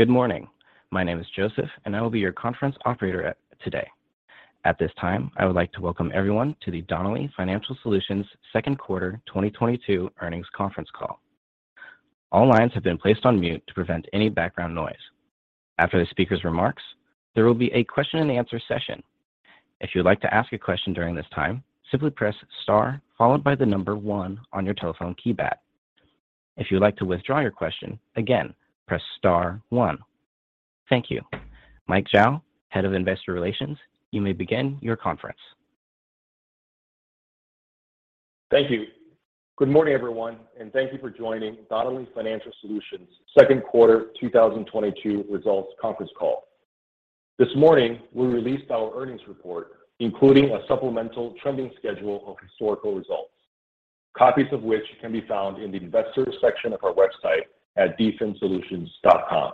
Good morning. My name is Joseph, and I will be your conference operator today. At this time, I would like to welcome everyone to the Donnelley Financial Solutions Second Quarter 2022 Earnings Conference Call. All lines have been placed on mute to prevent any background noise. After the speaker's remarks, there will be a question and answer session. If you would like to ask a question during this time, simply press star followed by the number one on your telephone keypad. If you would like to withdraw your question, again, press star one. Thank you. Mike Zhao, Head of Investor Relations, you may begin your conference. Thank you. Good morning, everyone, and thank you for joining Donnelley Financial Solutions second quarter 2022 results conference call. This morning, we released our earnings report, including a supplemental trending schedule of historical results, copies of which can be found in the Investors section of our website at dfinsolutions.com.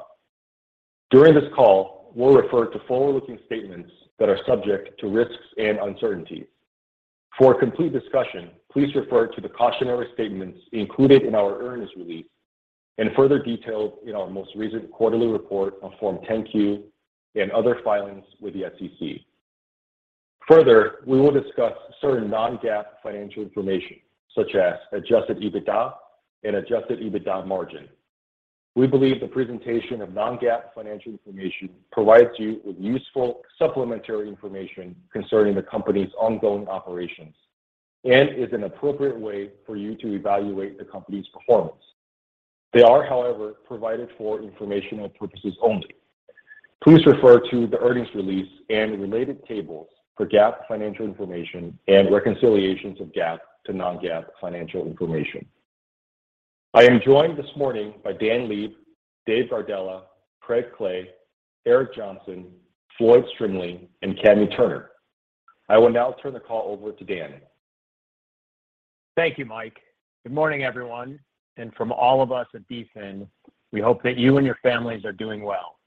During this call, we'll refer to forward-looking statements that are subject to risks and uncertainties. For a complete discussion, please refer to the cautionary statements included in our earnings release and further detailed in our most recent quarterly report on Form 10-Q and other filings with the SEC. Further, we will discuss certain non-GAAP financial information, such as Adjusted EBITDA and Adjusted EBITDA margin. We believe the presentation of non-GAAP financial information provides you with useful supplementary information concerning the company's ongoing operations and is an appropriate way for you to evaluate the company's performance. They are, however, provided for informational purposes only. Please refer to the earnings release and related tables for GAAP financial information and reconciliations of GAAP to non-GAAP financial information. I am joined this morning by Dan Leib, Dave Gardella, Craig Clay, Eric Johnson, Floyd Strimling, and Kami Turner. I will now turn the call over to Dan. Thank you, Mike. Good morning, everyone, and from all of us at DFIN, we hope that you and your families are doing well.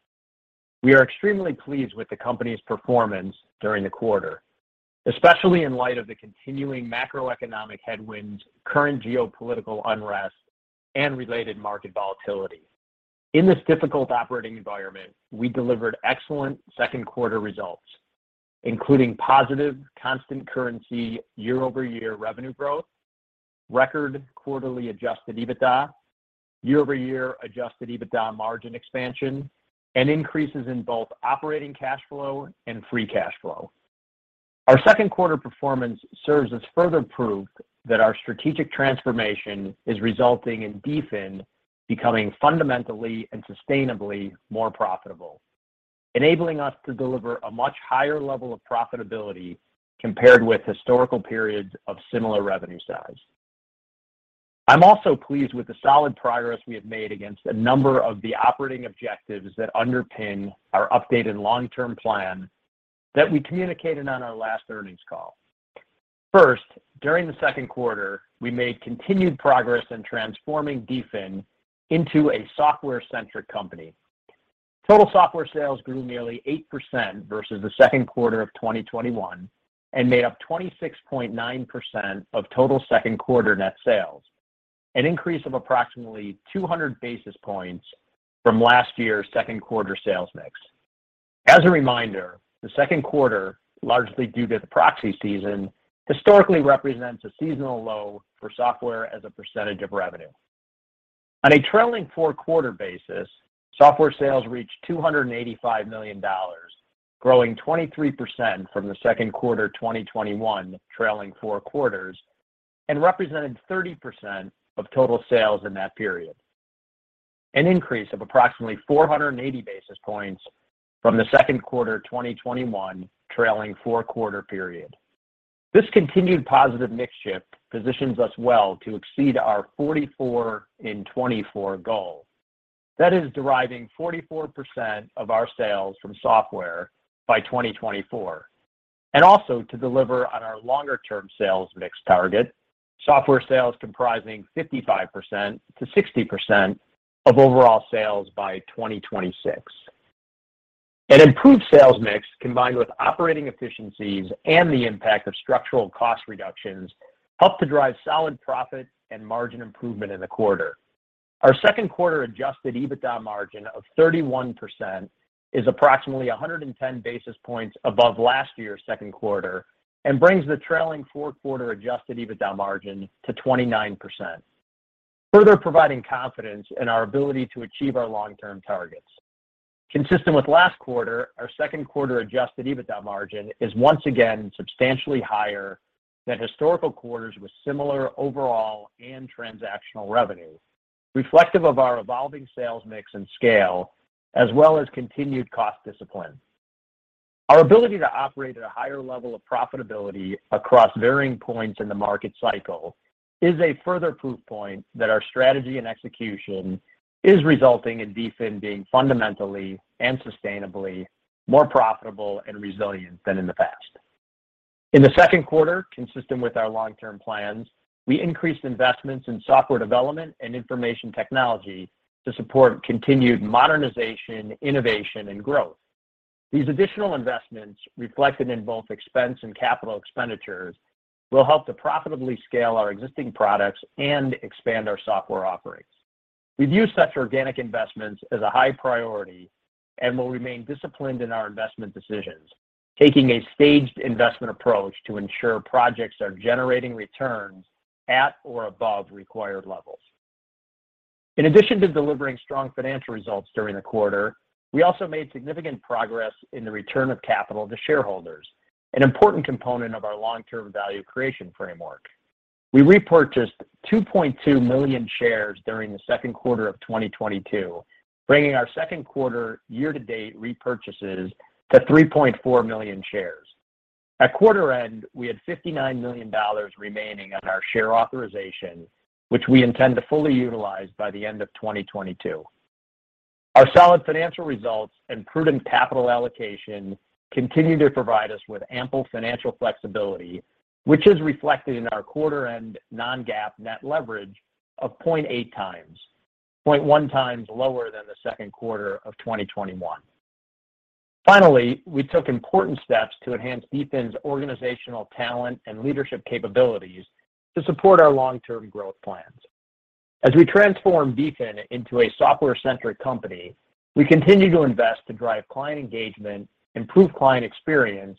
We are extremely pleased with the company's performance during the quarter, especially in light of the continuing macroeconomic headwinds, current geopolitical unrest, and related market volatility. In this difficult operating environment, we delivered excellent second quarter results, including positive constant currency year-over-year revenue growth, record quarterly Adjusted EBITDA, year-over-year Adjusted EBITDA margin expansion, and increases in both operating cash flow and free cash flow. Our second quarter performance serves as further proof that our strategic transformation is resulting in DFIN becoming fundamentally and sustainably more profitable, enabling us to deliver a much higher level of profitability compared with historical periods of similar revenue size. I'm also pleased with the solid progress we have made against a number of the operating objectives that underpin our updated long-term plan that we communicated on our last earnings call. First, during the second quarter, we made continued progress in transforming DFIN into a software-centric company. Total software sales grew nearly 8% versus the second quarter of 2021 and made up 26.9% of total second quarter net sales, an increase of approximately 200 basis points from last year's second quarter sales mix. As a reminder, the second quarter, largely due to the proxy season, historically represents a seasonal low for software as a percentage of revenue. On a trailing four-quarter basis, software sales reached $285 million, growing 23% from the second quarter 2021 trailing four quarters and represented 30% of total sales in that period, an increase of approximately 480 basis points from the second quarter 2021 trailing four-quarter period. This continued positive mix shift positions us well to exceed our 44% in 2024 goal. That is deriving 44% of our sales from software by 2024, and also to deliver on our longer-term sales mix target, software sales comprising 55%-60% of overall sales by 2026. An improved sales mix combined with operating efficiencies and the impact of structural cost reductions helped to drive solid profit and margin improvement in the quarter. Our second quarter Adjusted EBITDA margin of 31% is approximately 110 basis points above last year's second quarter and brings the trailing four-quarter Adjusted EBITDA margin to 29%, further providing confidence in our ability to achieve our long-term targets. Consistent with last quarter, our second quarter Adjusted EBITDA margin is once again substantially higher than historical quarters with similar overall and transactional revenue, reflective of our evolving sales mix and scale, as well as continued cost discipline. Our ability to operate at a higher level of profitability across varying points in the market cycle is a further proof point that our strategy and execution is resulting in DFIN being fundamentally and sustainably more profitable and resilient than in the past. In the second quarter, consistent with our long-term plans, we increased investments in software development and information technology to support continued modernization, innovation, and growth. These additional investments, reflected in both expense and capital expenditures, will help to profitably scale our existing products and expand our software offerings. We view such organic investments as a high priority and will remain disciplined in our investment decisions, taking a staged investment approach to ensure projects are generating returns at or above required levels. In addition to delivering strong financial results during the quarter, we also made significant progress in the return of capital to shareholders, an important component of our long-term value creation framework. We repurchased 2.2 million shares during the second quarter of 2022, bringing our second quarter year-to-date repurchases to 3.4 million shares. At quarter end, we had $59 million remaining on our share authorization, which we intend to fully utilize by the end of 2022. Our solid financial results and prudent capital allocation continue to provide us with ample financial flexibility, which is reflected in our quarter end non-GAAP net leverage of 0.8x, 0.1x lower than the second quarter of 2021. Finally, we took important steps to enhance DFIN's organizational talent and leadership capabilities to support our long-term growth plans. As we transform DFIN into a software-centric company, we continue to invest to drive client engagement, improve client experience,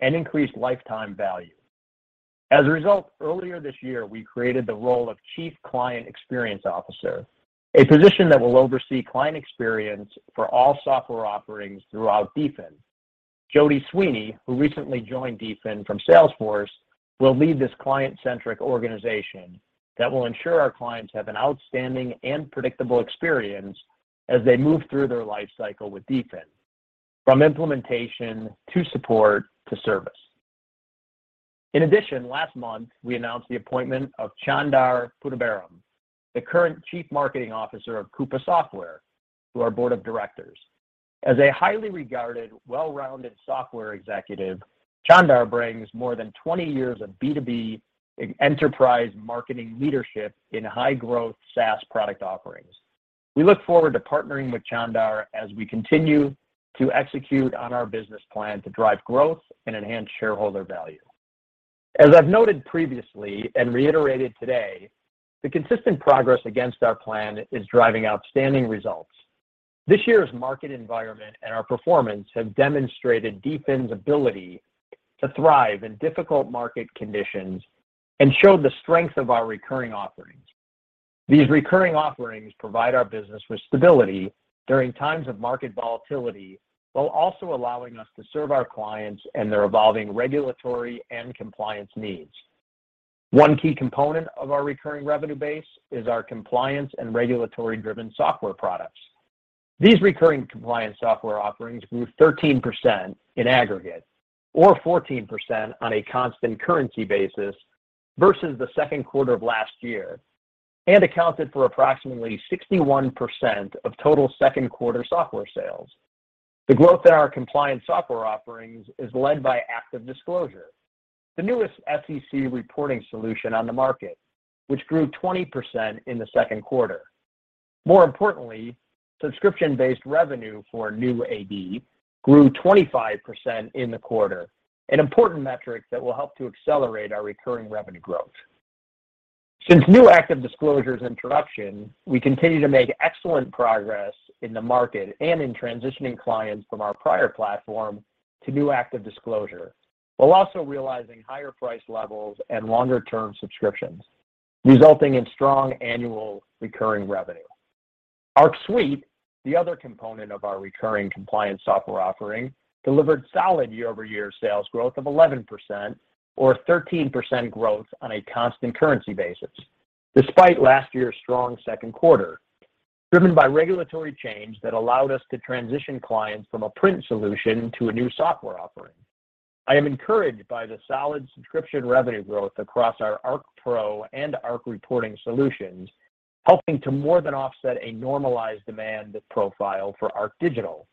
and increase lifetime value. As a result, earlier this year, we created the role of Chief Client Experience Officer, a position that will oversee client experience for all software offerings throughout DFIN. Jodi Sweeney, who recently joined DFIN from Salesforce, will lead this client-centric organization that will ensure our clients have an outstanding and predictable experience as they move through their life cycle with DFIN, from implementation to support to service. In addition, last month, we announced the appointment of Chandar Pattabhiram, the current Chief Marketing Officer of Coupa Software, to our board of directors. As a highly regarded, well-rounded software executive, Chandar brings more than 20 years of B2B enterprise marketing leadership in high-growth SaaS product offerings. We look forward to partnering with Chandar as we continue to execute on our business plan to drive growth and enhance shareholder value. As I've noted previously and reiterated today, the consistent progress against our plan is driving outstanding results. This year's market environment and our performance have demonstrated DFIN's ability to thrive in difficult market conditions and showed the strength of our recurring offerings. These recurring offerings provide our business with stability during times of market volatility, while also allowing us to serve our clients and their evolving regulatory and compliance needs. One key component of our recurring revenue base is our compliance and regulatory-driven software products. These recurring compliance software offerings grew 13% in aggregate or 14% on a constant currency basis versus the second quarter of last year and accounted for approximately 61% of total second quarter software sales. The growth in our compliance software offerings is led by ActiveDisclosure, the newest SEC reporting solution on the market, which grew 20% in the second quarter. More importantly, subscription-based revenue for new AD grew 25% in the quarter, an important metric that will help to accelerate our recurring revenue growth. Since new ActiveDisclosure's introduction, we continue to make excellent progress in the market and in transitioning clients from our prior platform to new ActiveDisclosure, while also realizing higher price levels and longer-term subscriptions, resulting in strong annual recurring revenue. Arc Suite, the other component of our recurring compliance software offering, delivered solid year-over-year sales growth of 11% or 13% growth on a constant currency basis, despite last year's strong second quarter, driven by regulatory change that allowed us to transition clients from a print solution to a new software offering. I am encouraged by the solid subscription revenue growth across our ArcPro and ArcReporting solutions, helping to more than offset a normalized demand profile for ArcDigital,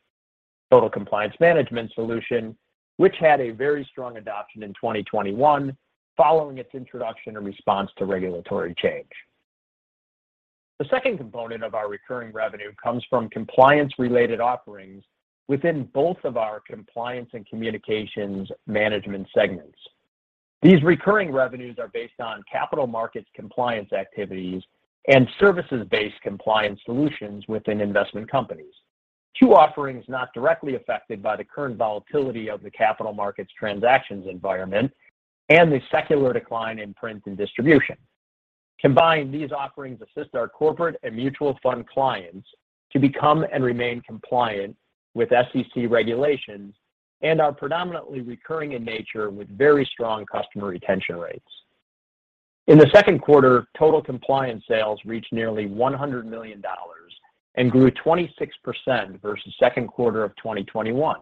Total Compliance Management Solution, which had a very strong adoption in 2021 following its introduction in response to regulatory change. The second component of our recurring revenue comes from compliance-related offerings within both of our Compliance and Communications Management segments. These recurring revenues are based on capital markets compliance activities and services-based compliance solutions within investment companies. Two offerings not directly affected by the current volatility of the capital markets transactions environment and the secular decline in print and distribution. Combined, these offerings assist our corporate and mutual fund clients to become and remain compliant with SEC regulations and are predominantly recurring in nature with very strong customer retention rates. In the second quarter, total compliance sales reached nearly $100 million and grew 26% versus second quarter of 2021.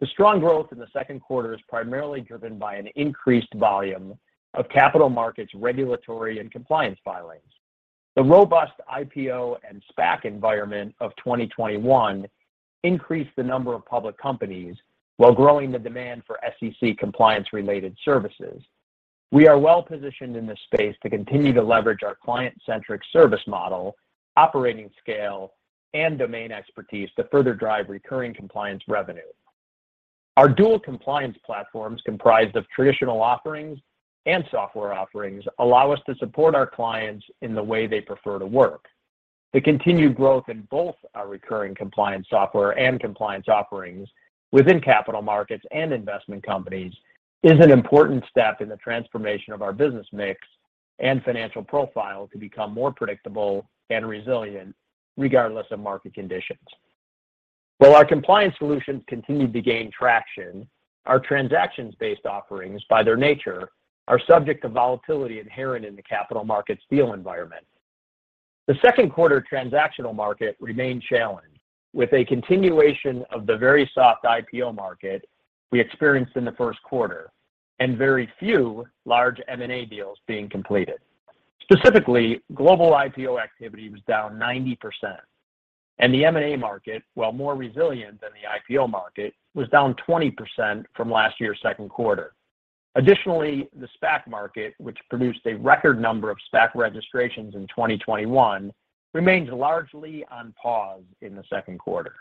The strong growth in the second quarter is primarily driven by an increased volume of capital markets regulatory and compliance filings. The robust IPO and SPAC environment of 2021 increased the number of public companies while growing the demand for SEC compliance-related services. We are well positioned in this space to continue to leverage our client-centric service model, operating scale, and domain expertise to further drive recurring compliance revenue. Our dual compliance platforms, comprised of traditional offerings and software offerings, allow us to support our clients in the way they prefer to work. The continued growth in both our recurring compliance software and compliance offerings within capital markets and investment companies is an important step in the transformation of our business mix and financial profile to become more predictable and resilient regardless of market conditions. While our compliance solutions continued to gain traction, our transactions-based offerings, by their nature, are subject to volatility inherent in the capital markets deal environment. The second quarter transactional market remained challenged, with a continuation of the very soft IPO market we experienced in the first quarter and very few large M&A deals being completed. Specifically, global IPO activity was down 90%, and the M&A market, while more resilient than the IPO market, was down 20% from last year's second quarter. Additionally, the SPAC market, which produced a record number of SPAC registrations in 2021, remains largely on pause in the second quarter.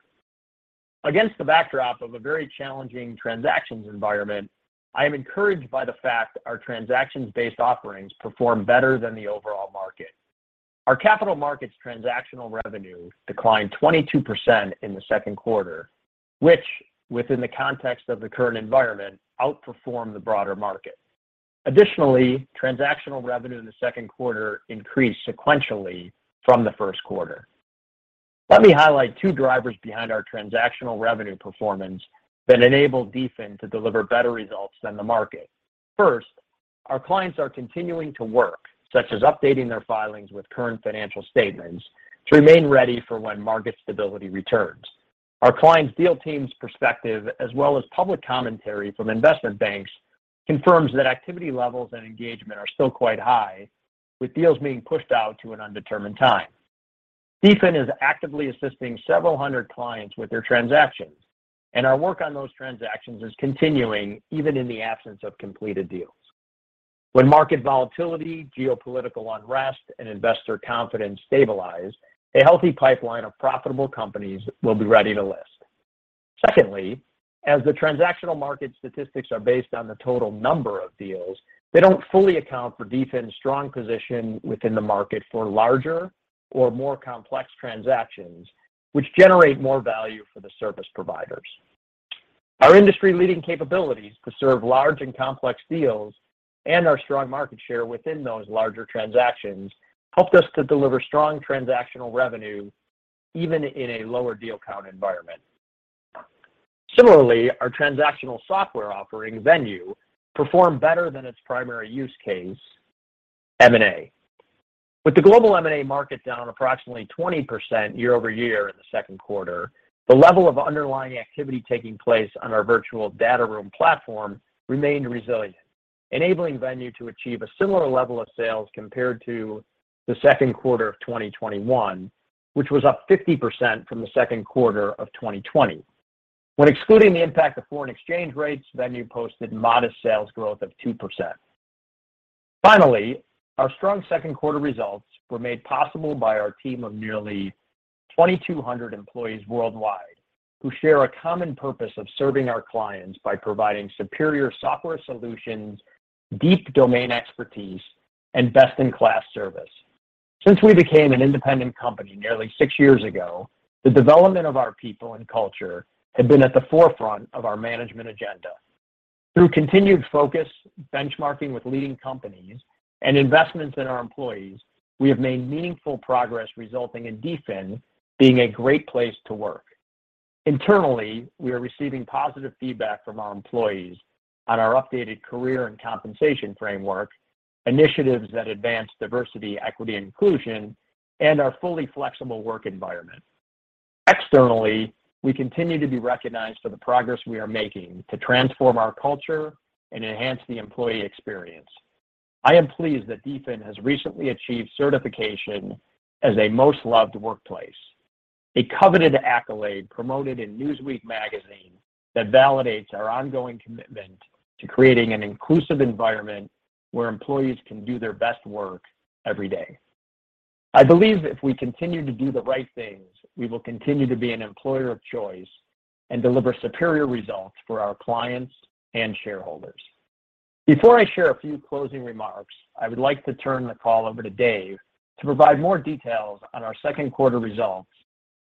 Against the backdrop of a very challenging transactions environment, I am encouraged by the fact that our transactions-based offerings performed better than the overall market. Our capital markets transactional revenue declined 22% in the second quarter, which, within the context of the current environment, outperformed the broader market. Additionally, transactional revenue in the second quarter increased sequentially from the first quarter. Let me highlight two drivers behind our transactional revenue performance that enabled DFIN to deliver better results than the market. First, our clients are continuing to work, such as updating their filings with current financial statements, to remain ready for when market stability returns. Our clients' deal teams' perspective, as well as public commentary from investment banks, confirms that activity levels and engagement are still quite high, with deals being pushed out to an undetermined time. DFIN is actively assisting several hundred clients with their transactions, and our work on those transactions is continuing even in the absence of completed deals. When market volatility, geopolitical unrest, and investor confidence stabilize, a healthy pipeline of profitable companies will be ready to list. Secondly, as the transactional market statistics are based on the total number of deals, they don't fully account for DFIN's strong position within the market for larger or more complex transactions, which generate more value for the service providers. Our industry-leading capabilities to serve large and complex deals and our strong market share within those larger transactions helped us to deliver strong transactional revenue even in a lower deal count environment. Similarly, our transactional software offering, Venue, performed better than its primary use case, M&A. With the global M&A market down approximately 20% year-over-year in the second quarter, the level of underlying activity taking place on our virtual data room platform remained resilient, enabling Venue to achieve a similar level of sales compared to the second quarter of 2021, which was up 50% from the second quarter of 2020. When excluding the impact of foreign exchange rates, Venue posted modest sales growth of 2%. Finally, our strong second quarter results were made possible by our team of nearly 2,200 employees worldwide who share a common purpose of serving our clients by providing superior software solutions, deep domain expertise, and best-in-class service. Since we became an independent company nearly six years ago, the development of our people and culture have been at the forefront of our management agenda. Through continued focus, benchmarking with leading companies, and investments in our employees, we have made meaningful progress resulting in DFIN being a great place to work. Internally, we are receiving positive feedback from our employees on our updated career and compensation framework, initiatives that advance diversity, equity and inclusion, and our fully flexible work environment. Externally, we continue to be recognized for the progress we are making to transform our culture and enhance the employee experience. I am pleased that DFIN has recently achieved certification as a Most Loved Workplace, a coveted accolade promoted in Newsweek magazine that validates our ongoing commitment to creating an inclusive environment where employees can do their best work every day. I believe if we continue to do the right things, we will continue to be an employer of choice and deliver superior results for our clients and shareholders. Before I share a few closing remarks, I would like to turn the call over to Dave to provide more details on our second quarter results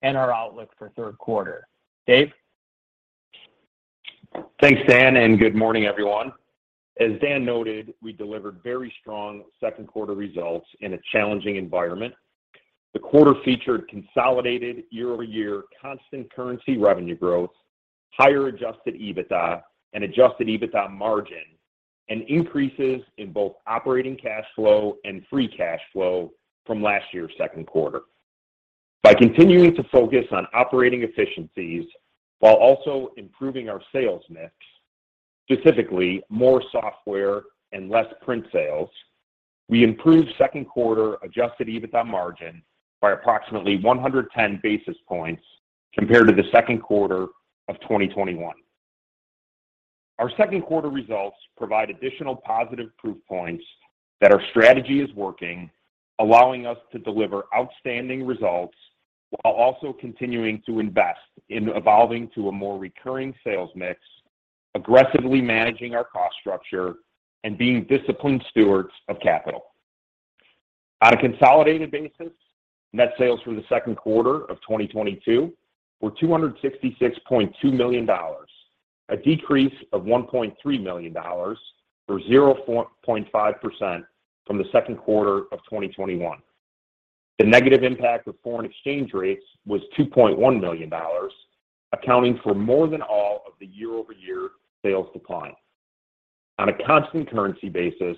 and our outlook for third quarter. Dave? Thanks, Dan, and good morning, everyone. As Dan noted, we delivered very strong second quarter results in a challenging environment. The quarter featured consolidated year-over-year constant currency revenue growth, higher Adjusted EBITDA and Adjusted EBITDA margin, and increases in both operating cash flow and free cash flow from last year's second quarter. By continuing to focus on operating efficiencies while also improving our sales mix, specifically more software and less print sales. We improved second quarter Adjusted EBITDA margin by approximately 110 basis points compared to the second quarter of 2021. Our second quarter results provide additional positive proof points that our strategy is working, allowing us to deliver outstanding results while also continuing to invest in evolving to a more recurring sales mix, aggressively managing our cost structure and being disciplined stewards of capital. On a consolidated basis, net sales for the second quarter of 2022 were $266.2 million, a decrease of $1.3 million, or 0.5% from the second quarter of 2021. The negative impact of foreign exchange rates was $2.1 million, accounting for more than all of the year-over-year sales decline. On a constant currency basis,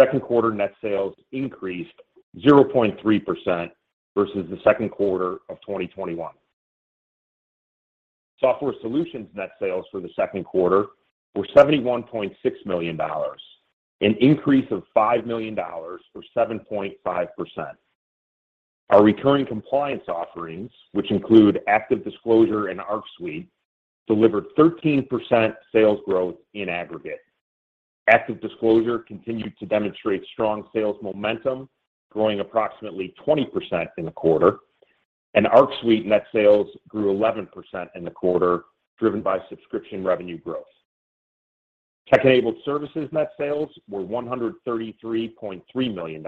second quarter net sales increased 0.3% versus the second quarter of 2021. Software solutions net sales for the second quarter were $71.6 million, an increase of $5 million, or 7.5%. Our recurring compliance offerings, which include ActiveDisclosure and Arc Suite, delivered 13% sales growth in aggregate. ActiveDisclosure continued to demonstrate strong sales momentum, growing approximately 20% in the quarter, and Arc Suite net sales grew 11% in the quarter, driven by subscription revenue growth. Tech-enabled services net sales were $133.3 million,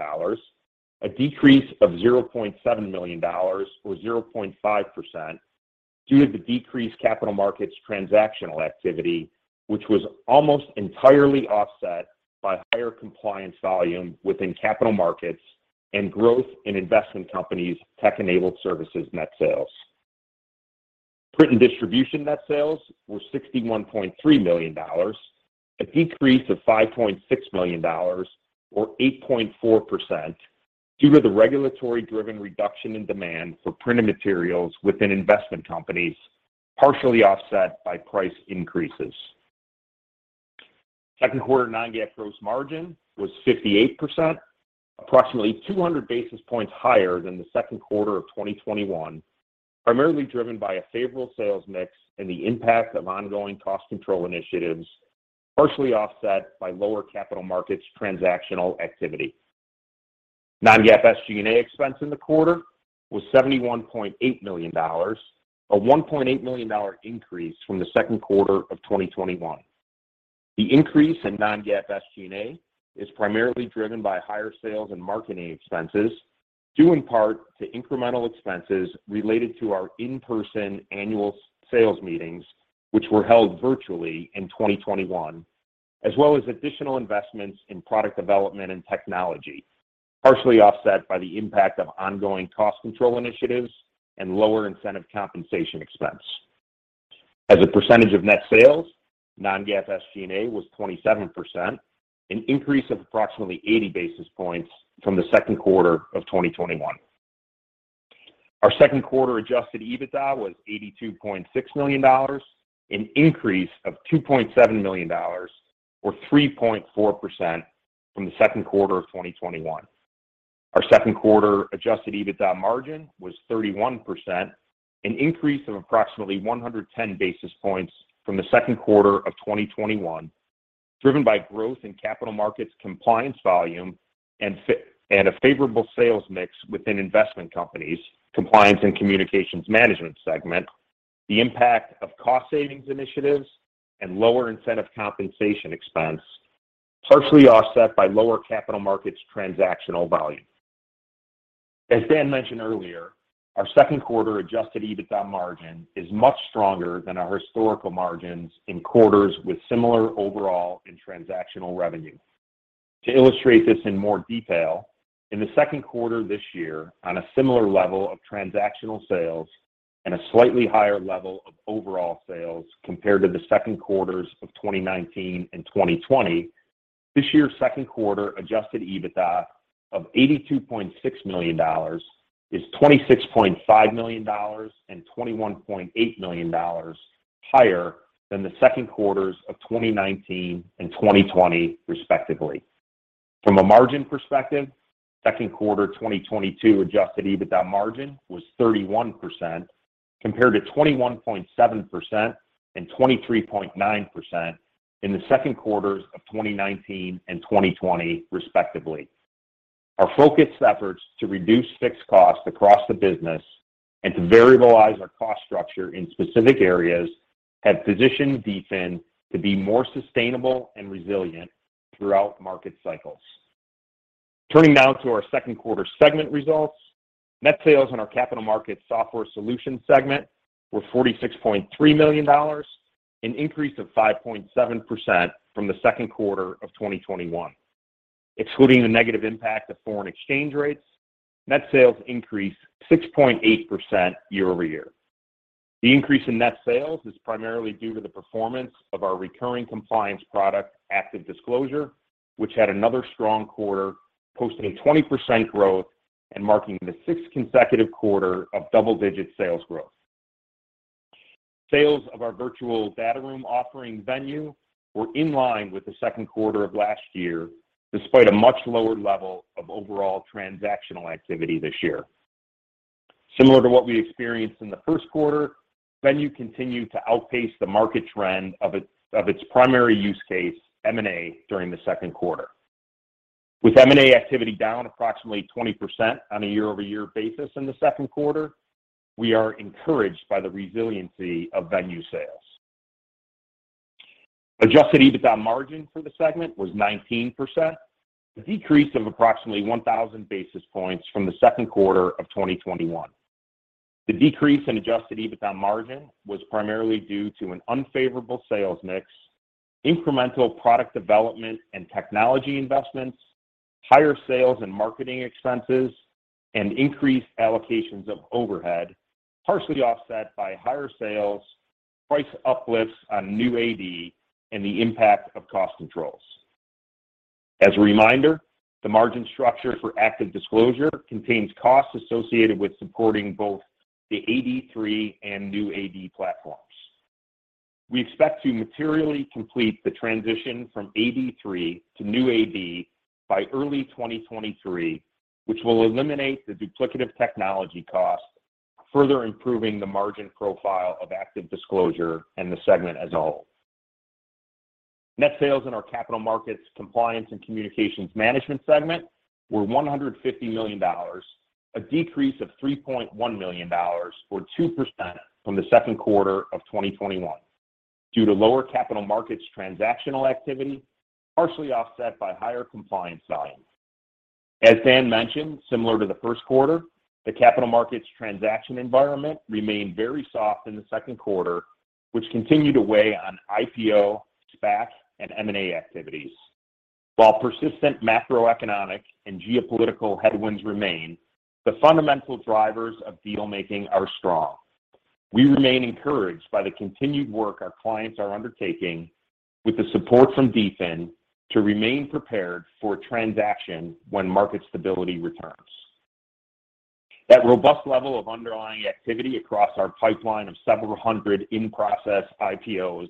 a decrease of $0.7 million, or 0.5%, due to the decreased capital markets transactional activity, which was almost entirely offset by higher compliance volume within capital markets and growth in investment companies' tech-enabled services net sales. Print and distribution net sales were $61.3 million, a decrease of $5.6 million, or 8.4% due to the regulatory-driven reduction in demand for printed materials within investment companies, partially offset by price increases. Second quarter non-GAAP gross margin was 58%, approximately 200 basis points higher than the second quarter of 2021, primarily driven by a favorable sales mix and the impact of ongoing cost control initiatives, partially offset by lower capital markets transactional activity. Non-GAAP SG&A expense in the quarter was $71.8 million, a $1.8 million increase from the second quarter of 2021. The increase in non-GAAP SG&A is primarily driven by higher sales and marketing expenses, due in part to incremental expenses related to our in-person annual sales meetings, which were held virtually in 2021, as well as additional investments in product development and technology, partially offset by the impact of ongoing cost control initiatives and lower incentive compensation expense. As a percentage of net sales, non-GAAP SG&A was 27%, an increase of approximately 80 basis points from the second quarter of 2021. Our second quarter Adjusted EBITDA was $82.6 million, an increase of $2.7 million, or 3.4% from the second quarter of 2021. Our second quarter Adjusted EBITDA margin was 31%, an increase of approximately 110 basis points from the second quarter of 2021, driven by growth in capital markets compliance volume and a favorable sales mix within investment companies, compliance and communications management segment, the impact of cost savings initiatives and lower incentive compensation expense, partially offset by lower capital markets transactional volume. As Dan mentioned earlier, our second quarter Adjusted EBITDA margin is much stronger than our historical margins in quarters with similar overall and transactional revenue. To illustrate this in more detail, in the second quarter this year, on a similar level of transactional sales and a slightly higher level of overall sales compared to the second quarters of 2019 and 2020, this year's second quarter Adjusted EBITDA of $82.6 million is $26.5 million and $21.8 million higher than the second quarters of 2019 and 2020, respectively. From a margin perspective, second quarter 2022 Adjusted EBITDA margin was 31% compared to 21.7% and 23.9% in the second quarters of 2019 and 2020, respectively. Our focused efforts to reduce fixed costs across the business and to variabilize our cost structure in specific areas have positioned DFIN to be more sustainable and resilient throughout market cycles. Turning now to our second quarter segment results. Net sales in our capital market software solutions segment were $46.3 million, an increase of 5.7% from the second quarter of 2021. Excluding the negative impact of foreign exchange rates, net sales increased 6.8% year-over-year. The increase in net sales is primarily due to the performance of our recurring compliance product, ActiveDisclosure, which had another strong quarter, posting a 20% growth and marking the sixth consecutive quarter of double-digit sales growth. Sales of our virtual data room offering Venue were in line with the second quarter of last year, despite a much lower level of overall transactional activity this year. Similar to what we experienced in the first quarter, Venue continued to outpace the market trend of its primary use case, M&A, during the second quarter. With M&A activity down approximately 20% on a year-over-year basis in the second quarter, we are encouraged by the resiliency of Venue sales. Adjusted EBITDA margin for the segment was 19%, a decrease of approximately 1,000 basis points from the second quarter of 2021. The decrease in Adjusted EBITDA margin was primarily due to an unfavorable sales mix, incremental product development and technology investments, higher sales and marketing expenses, and increased allocations of overhead, partially offset by higher sales, price uplifts on new AD, and the impact of cost controls. As a reminder, the margin structure for ActiveDisclosure contains costs associated with supporting both the AD3 and new AD platforms. We expect to materially complete the transition from AD3 to new AD by early 2023, which will eliminate the duplicative technology costs, further improving the margin profile of ActiveDisclosure and the segment as a whole. Net sales in our Capital Markets, Compliance and Communications Management segment were $150 million, a decrease of $3.1 million, or 2%, from the second quarter of 2021 due to lower capital markets transactional activity, partially offset by higher compliance volume. As Dan mentioned, similar to the first quarter, the capital markets transaction environment remained very soft in the second quarter, which continued to weigh on IPO, SPAC, and M&A activities. While persistent macroeconomic and geopolitical headwinds remain, the fundamental drivers of deal-making are strong. We remain encouraged by the continued work our clients are undertaking with the support from DFIN to remain prepared for a transaction when market stability returns. That robust level of underlying activity across our pipeline of several hundred in-process IPOs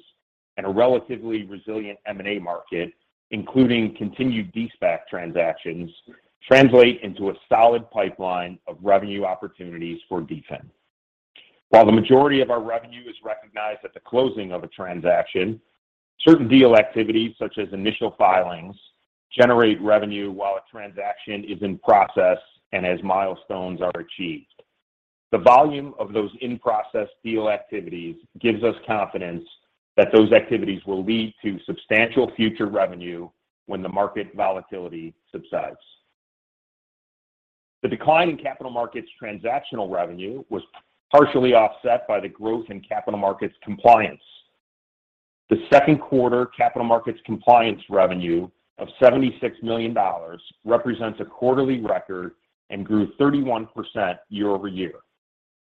and a relatively resilient M&A market, including continued de-SPAC transactions, translate into a solid pipeline of revenue opportunities for DFIN. While the majority of our revenue is recognized at the closing of a transaction, certain deal activities, such as initial filings, generate revenue while a transaction is in process and as milestones are achieved. The volume of those in-process deal activities gives us confidence that those activities will lead to substantial future revenue when the market volatility subsides. The decline in capital markets transactional revenue was partially offset by the growth in capital markets compliance. The second quarter capital markets compliance revenue of $76 million represents a quarterly record and grew 31% year-over-year.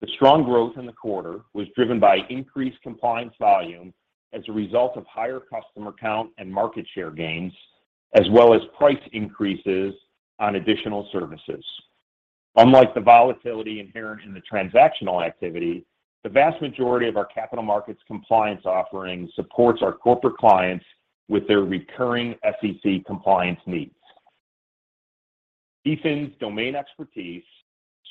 The strong growth in the quarter was driven by increased compliance volume as a result of higher customer count and market share gains, as well as price increases on additional services. Unlike the volatility inherent in the transactional activity, the vast majority of our capital markets compliance offering supports our corporate clients with their recurring SEC compliance needs. DFIN's domain expertise,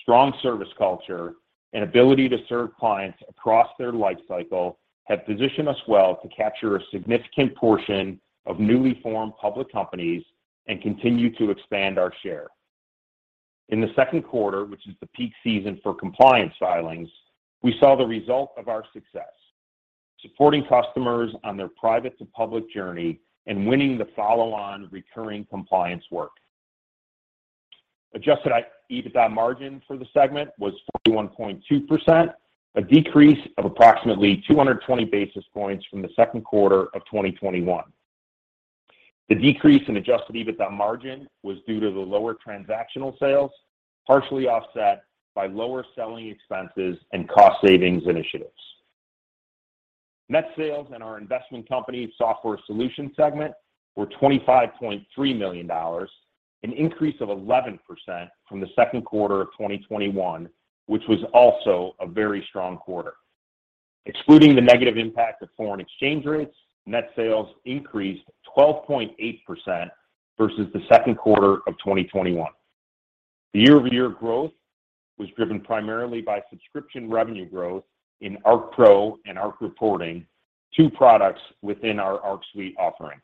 strong service culture, and ability to serve clients across their lifecycle have positioned us well to capture a significant portion of newly formed public companies and continue to expand our share. In the second quarter, which is the peak season for compliance filings, we saw the result of our success supporting customers on their private to public journey and winning the follow-on recurring compliance work. Adjusted EBITDA margin for the segment was 41.2%, a decrease of approximately 220 basis points from the second quarter of 2021. The decrease in Adjusted EBITDA margin was due to the lower transactional sales, partially offset by lower selling expenses and cost savings initiatives. Net sales in our investment company software solution segment were $25.3 million, an increase of 11% from the second quarter of 2021, which was also a very strong quarter. Excluding the negative impact of foreign exchange rates, net sales increased 12.8% versus the second quarter of 2021. The year-over-year growth was driven primarily by subscription revenue growth in ArcPro and ArcReporting, two products within our Arc Suite offering.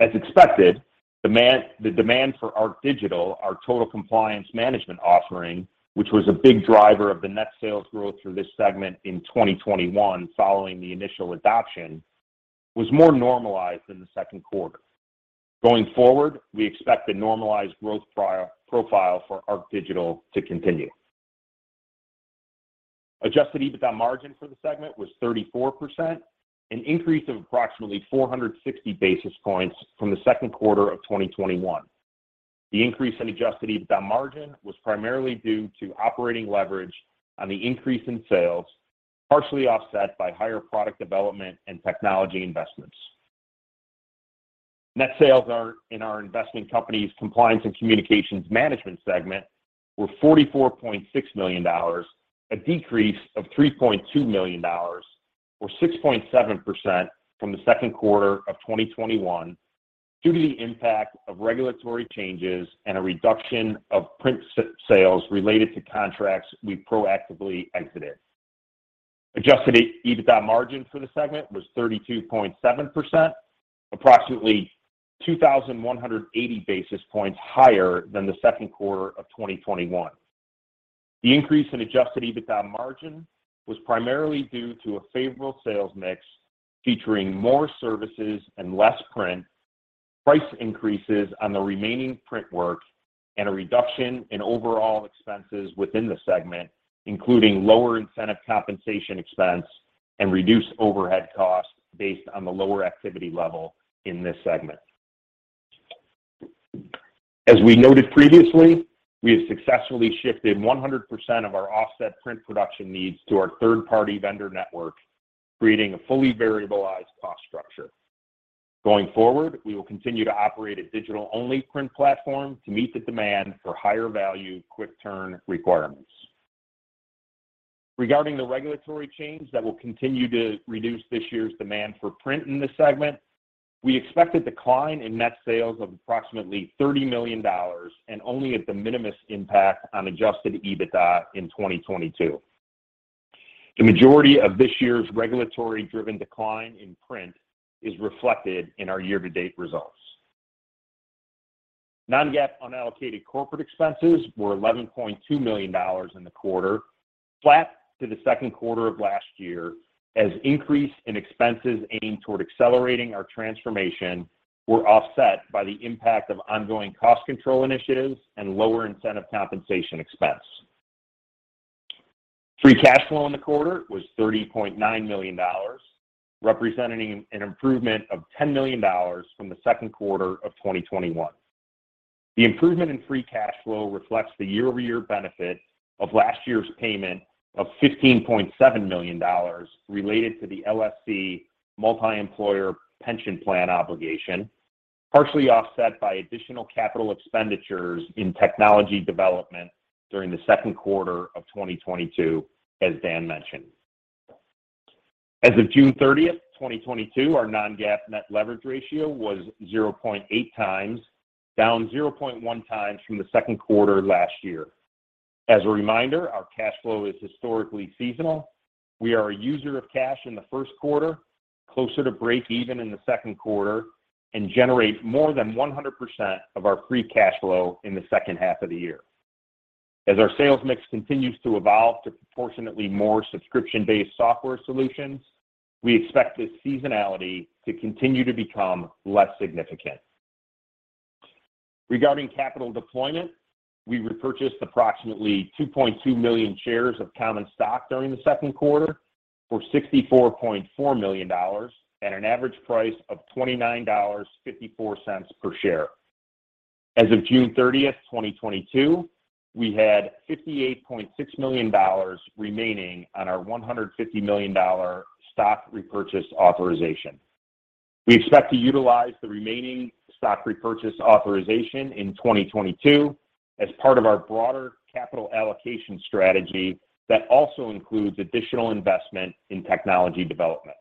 As expected, the demand for ArcDigital, our total compliance management offering, which was a big driver of the net sales growth for this segment in 2021 following the initial adoption, was more normalized in the second quarter. Going forward, we expect the normalized growth profile for ArcDigital to continue. Adjusted EBITDA margin for the segment was 34%, an increase of approximately 460 basis points from the second quarter of 2021. The increase in Adjusted EBITDA margin was primarily due to operating leverage on the increase in sales, partially offset by higher product development and technology investments. Net sales in our investment companies compliance and communications management segment were $44.6 million, a decrease of $3.2 million or 6.7% from the second quarter of 2021 due to the impact of regulatory changes and a reduction of print sales related to contracts we proactively exited. Adjusted EBITDA margin for the segment was 32.7%, approximately 2,180 basis points higher than the second quarter of 2021. The increase in Adjusted EBITDA margin was primarily due to a favorable sales mix featuring more services and less print, price increases on the remaining print work, and a reduction in overall expenses within the segment, including lower incentive compensation expense and reduced overhead costs based on the lower activity level in this segment. As we noted previously, we have successfully shifted 100% of our offset print production needs to our third-party vendor network, creating a fully variable cost structure. Going forward, we will continue to operate a digital-only print platform to meet the demand for higher value, quick turn requirements. Regarding the regulatory change that will continue to reduce this year's demand for print in this segment, we expect a decline in net sales of approximately $30 million and only a de minimis impact on Adjusted EBITDA in 2022. The majority of this year's regulatory-driven decline in print is reflected in our year-to-date results. Non-GAAP unallocated corporate expenses were $11.2 million in the quarter, flat to the second quarter of last year, as an increase in expenses aimed toward accelerating our transformation were offset by the impact of ongoing cost control initiatives and lower incentive compensation expense. Free cash flow in the quarter was $30.9 million, representing an improvement of $10 million from the second quarter of 2021. The improvement in free cash flow reflects the year-over-year benefit of last year's payment of $15.7 million related to the LSC multi-employer pension plan obligation, partially offset by additional capital expenditures in technology development during the second quarter of 2022, as Dan mentioned. As of June 30th, 2022, our non-GAAP net leverage ratio was 0.8x, down 0.1x from the second quarter last year. As a reminder, our cash flow is historically seasonal. We are a user of cash in the first quarter, closer to breakeven in the second quarter, and generate more than 100% of our free cash flow in the second half of the year. As our sales mix continues to evolve to proportionately more subscription-based software solutions, we expect this seasonality to continue to become less significant. Regarding capital deployment, we repurchased approximately 2.2 million shares of common stock during the second quarter for $64.4 million at an average price of $29.54 per share. As of June 30th, 2022, we had $58.6 million remaining on our $150 million stock repurchase authorization. We expect to utilize the remaining stock repurchase authorization in 2022 as part of our broader capital allocation strategy that also includes additional investment in technology development.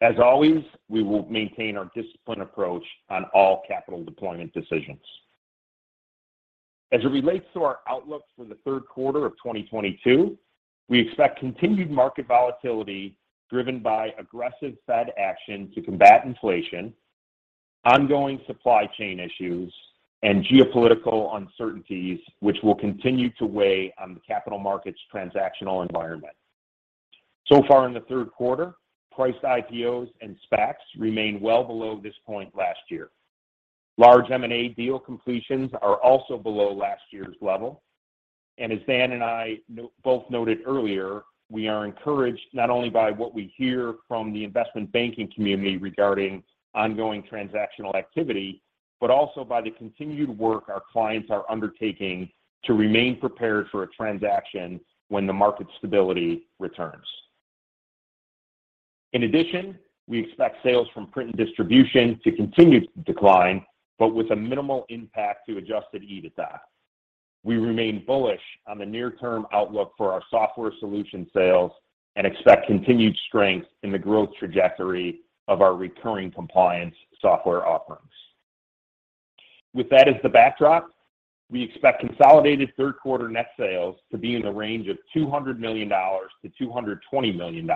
As always, we will maintain our disciplined approach on all capital deployment decisions. As it relates to our outlook for the third quarter of 2022, we expect continued market volatility driven by aggressive Fed action to combat inflation, ongoing supply chain issues, and geopolitical uncertainties, which will continue to weigh on the capital markets transactional environment. So far in the third quarter, priced IPOs and SPACs remain well below this point last year. Large M&A deal completions are also below last year's level. As Dan and I both noted earlier, we are encouraged not only by what we hear from the investment banking community regarding ongoing transactional activity, but also by the continued work our clients are undertaking to remain prepared for a transaction when the market stability returns. In addition, we expect sales from print and distribution to continue to decline, but with a minimal impact to Adjusted EBITDA. We remain bullish on the near-term outlook for our software solution sales and expect continued strength in the growth trajectory of our recurring compliance software offerings. With that as the backdrop, we expect consolidated third quarter net sales to be in the range of $200 million-$220 million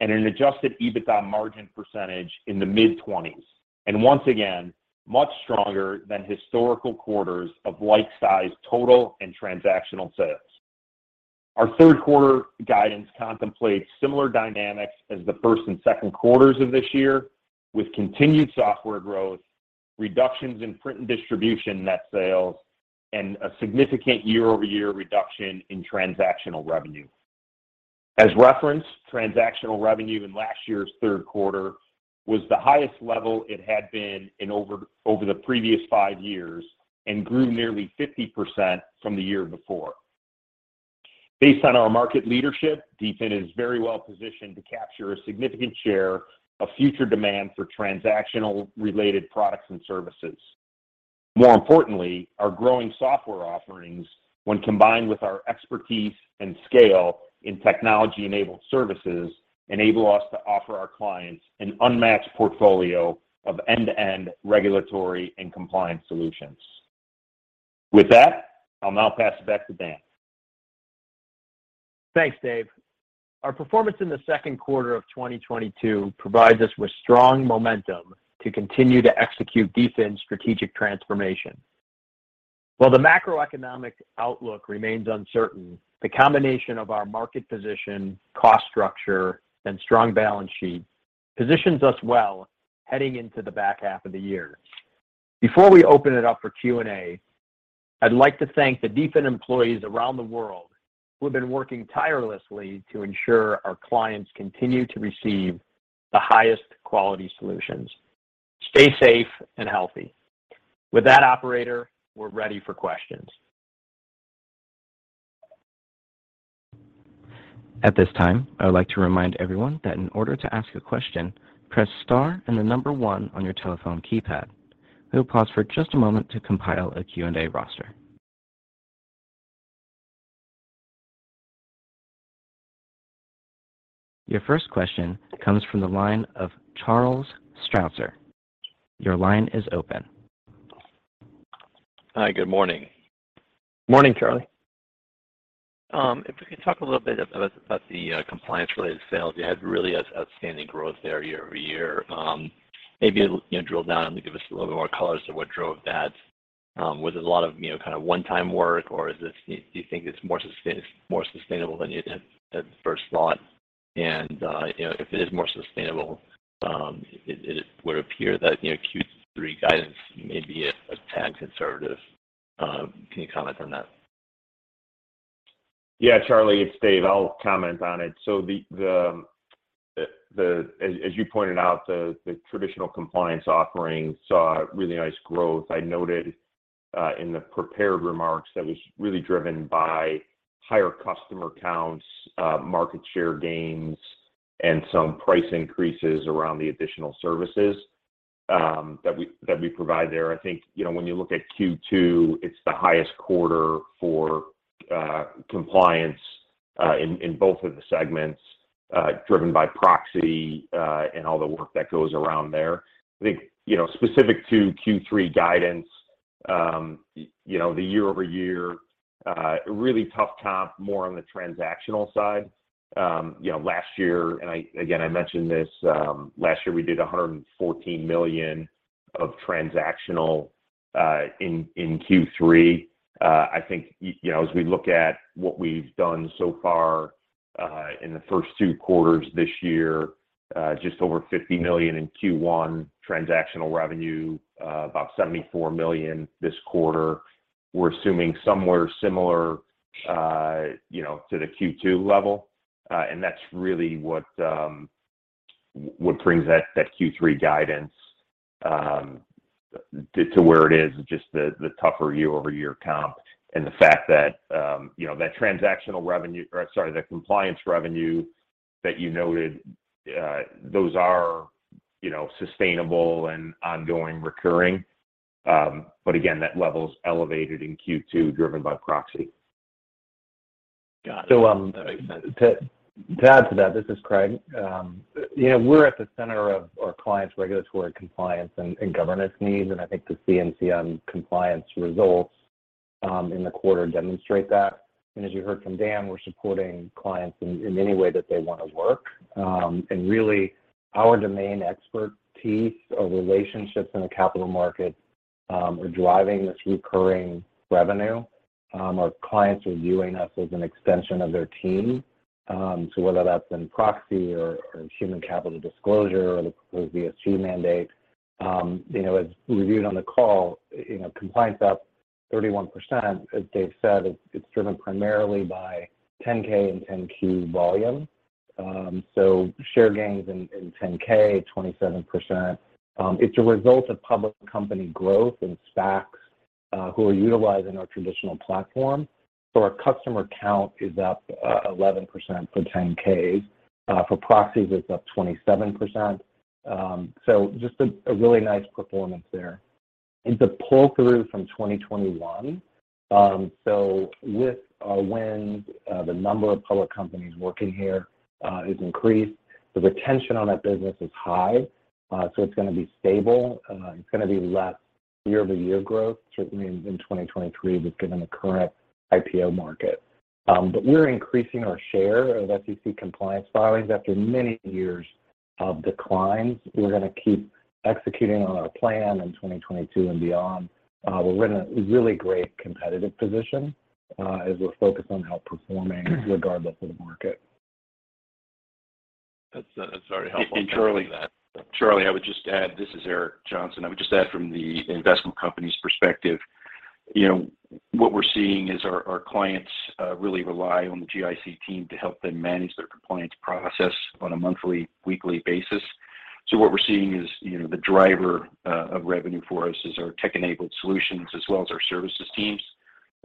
and an Adjusted EBITDA margin percentage in the mid-20s%. Once again, much stronger than historical quarters of like-sized total and transactional sales. Our third quarter guidance contemplates similar dynamics as the first and second quarters of this year with continued software growth, reductions in print and distribution net sales, and a significant year-over-year reduction in transactional revenue. As referenced, transactional revenue in last year's third quarter was the highest level it had been in over the previous five years and grew nearly 50% from the year before. Based on our market leadership, DFIN is very well positioned to capture a significant share of future demand for transactional related products and services. More importantly, our growing software offerings, when combined with our expertise and scale in technology-enabled services, enable us to offer our clients an unmatched portfolio of end-to-end regulatory and compliance solutions. With that, I'll now pass it back to Dan. Thanks, Dave. Our performance in the second quarter of 2022 provides us with strong momentum to continue to execute DFIN's strategic transformation. While the macroeconomic outlook remains uncertain, the combination of our market position, cost structure, and strong balance sheet positions us well heading into the back half of the year. Before we open it up for Q&A, I'd like to thank the DFIN employees around the world who have been working tirelessly to ensure our clients continue to receive the highest quality solutions. Stay safe and healthy. With that, operator, we're ready for questions. At this time, I would like to remind everyone that in order to ask a question, press star and the number one on your telephone keypad. We'll pause for just a moment to compile a Q&A roster. Your first question comes from the line of Charles Strauzer. Your line is open. Hi. Good morning. Morning, Charlie. If we could talk a little bit about the compliance-related sales. You had really outstanding growth there year-over-year. Maybe, you know, drill down and give us a little bit more color as to what drove that. Was it a lot of, you know, kind of one-time work, or is this more sustainable than you had first thought? You know, if it is more sustainable, it would appear that, you know, Q3 guidance may be a tad conservative. Can you comment on that? Yeah, Charlie, it's Dave. I'll comment on it. As you pointed out, the traditional compliance offering saw really nice growth. I noted in the prepared remarks that was really driven by higher customer counts, market share gains, and some price increases around the additional services that we provide there. I think, you know, when you look at Q2, it's the highest quarter for compliance in both of the segments, driven by proxy and all the work that goes around there. I think, you know, specific to Q3 guidance, you know, the year-over-year really tough comp more on the transactional side. You know, again, I mentioned this, last year we did $114 million of transactional in Q3. I think, you know, as we look at what we've done so far, in the first two quarters this year, just over $50 million in Q1 transactional revenue, about $74 million this quarter. We're assuming somewhere similar, you know, to the Q2 level. That's really what brings that Q3 guidance to where it is, just the tougher year-over-year comp and the fact that, you know, that transactional revenue, or sorry, the compliance revenue that you noted, those are, you know, sustainable and ongoing recurring. Again, that level's elevated in Q2 driven by proxy. Got it. To add to that, this is Craig. You know, we're at the center of our clients' regulatory compliance and governance needs, and I think the CCM compliance results in the quarter demonstrate that. As you heard from Dan, we're supporting clients in any way that they wanna work. Really our domain expertise or relationships in the capital markets are driving this recurring revenue. Our clients are viewing us as an extension of their team, so whether that's in proxy or human capital disclosure or the ESG mandate, you know, as reviewed on the call, you know, compliance up 31%. As Dave said, it's driven primarily by 10-K and 10-Q volume. Share gains in 10-K, 27%. It's a result of public company growth and SPACs who are utilizing our traditional platform. Our customer count is up 11% for 10-Ks. For proxies, it's up 27%. Just a really nice performance there. It's a pull-through from 2021, so with our win the number of public companies working here is increased. The retention on that business is high, so it's gonna be stable. It's gonna be less year-over-year growth, certainly in 2023 just given the current IPO market. We're increasing our share of SEC compliance filings after many years of declines. We're gonna keep executing on our plan in 2022 and beyond. We're in a really great competitive position as we're focused on outperforming regardless of the market. That's very helpful. Charlie, I would just add. Charlie, I would just add. This is Eric Johnson. I would just add from the investment company's perspective, you know, what we're seeing is our clients really rely on the GIC team to help them manage their compliance process on a monthly, weekly basis. What we're seeing is, you know, the driver of revenue for us is our tech-enabled solutions as well as our services teams,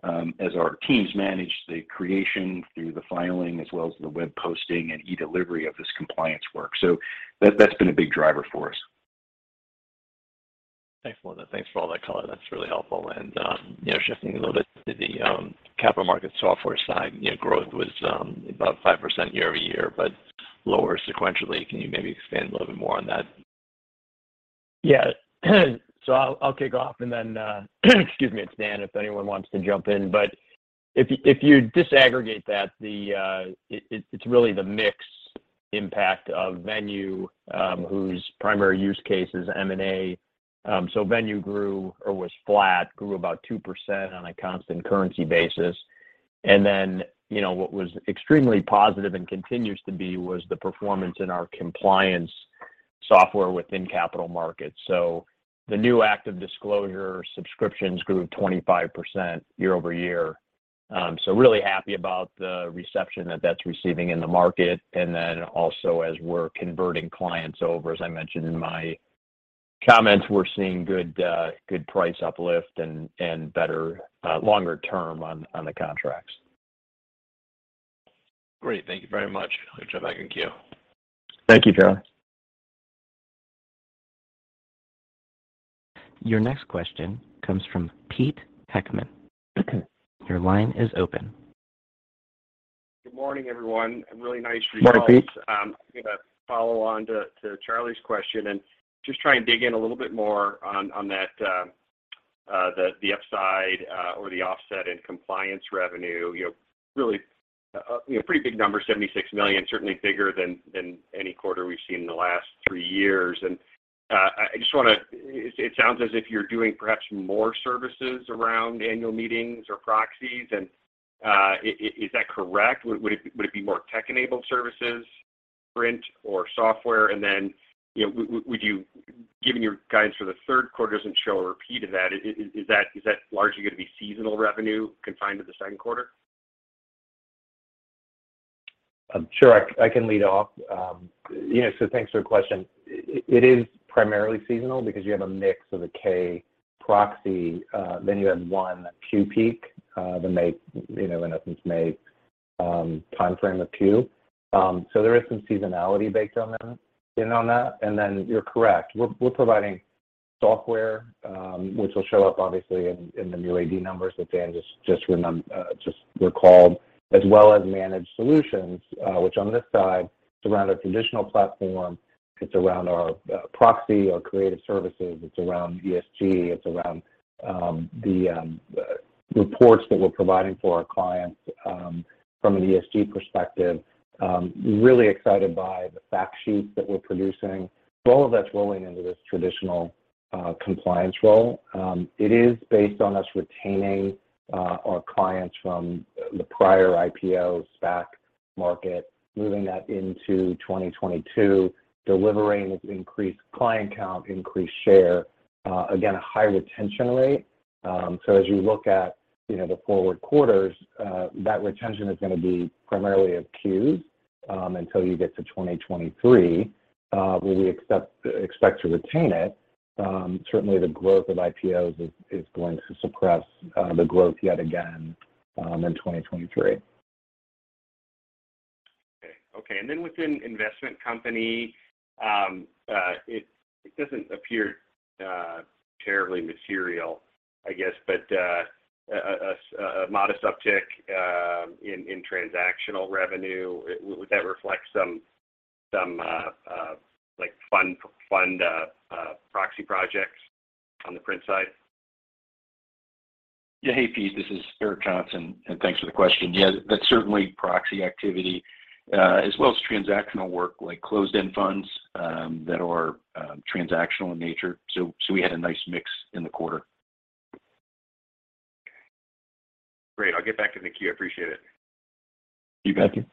as our teams manage the creation through the filing as well as the web posting and e-delivery of this compliance work. That, that's been a big driver for us. Thanks for that. Thanks for all that color. That's really helpful. You know, shifting a little bit to the capital market software side, you know, growth was about 5% year-over-year, but lower sequentially. Can you maybe expand a little bit more on that? Yeah. I'll kick off and then excuse me, it's Dan, if anyone wants to jump in. If you disaggregate that it's really the mix impact of Venue, whose primary use case is M&A. Venue grew or was flat, grew about 2% on a constant currency basis. You know, what was extremely positive and continues to be was the performance in our compliance software within capital markets. The new ActiveDisclosure subscriptions grew 25% year-over-year. Really happy about the reception that's receiving in the market. Also as we're converting clients over, as I mentioned in my comments, we're seeing good price uplift and better longer term on the contracts. Great. Thank you very much. I'll jump back in queue. Thank you, Charlie. Your next question comes from Pete Heckmann. Your line is open. Good morning, everyone. Really nice results. Good morning, Pete. I'm gonna follow on to Charlie's question and just try and dig in a little bit more on that, the upside or the offset in compliance revenue. You know, really, you know, pretty big number, $76 million, certainly bigger than any quarter we've seen in the last three years. I just wanna. It sounds as if you're doing perhaps more services around annual meetings or proxies. Is that correct? Would it be more tech-enabled services, print or software? Then, you know, would you, given your guidance for the third quarter doesn't show a repeat of that, is that largely gonna be seasonal revenue confined to the second quarter? Sure. I can lead off. You know, so thanks for the question. It is primarily seasonal because you have a mix of the 10-K proxy, then you have one 10-Q peak, the May, you know, in essence May timeframe of 10-Q. There is some seasonality baked in on that. Then you're correct, we're providing software, which will show up obviously in the new AD numbers that Dan just recalled, as well as managed solutions, which on this side it's around our traditional platform, it's around our proxy, our creative services, it's around ESG, it's around the reports that we're providing for our clients from an ESG perspective. Really excited by the fact sheets that we're producing. All of that's rolling into this traditional compliance role. It is based on us retaining our clients from the prior IPO, SPAC market, moving that into 2022, delivering its increased client count, increased share, again, a high retention rate. As you look at the forward quarters, that retention is gonna be primarily of Qs until you get to 2023, where we expect to retain it. Certainly the growth of IPOs is going to suppress the growth yet again in 2023. Within investment company, it doesn't appear terribly material, I guess, but a modest uptick in transactional revenue would that reflect some like fund proxy projects on the print side? Yeah. Hey, Pete, this is Eric Johnson, and thanks for the question. Yeah, that's certainly proxy activity as well as transactional work like closed-end funds that are transactional in nature. We had a nice mix in the quarter. Okay. Great. I'll get back in the queue. I appreciate it. You betcha.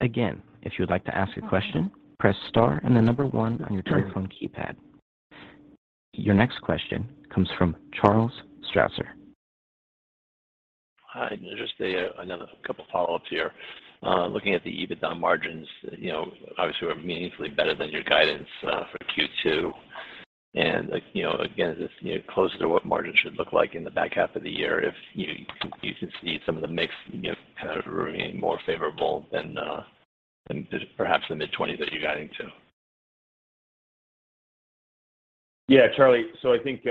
Again, if you would like to ask a question, press star and the number one on your telephone keypad. Your next question comes from Charles Strauzer. Hi, just another couple follow-ups here. Looking at the EBITDA margins, you know, obviously were meaningfully better than your guidance for Q2. Like, you know, again, just, you know, closer to what margins should look like in the back half of the year if you can see some of the mix, you know, kind of remain more favorable than perhaps the mid-20% that you're guiding to. Yeah, Charlie. So I think,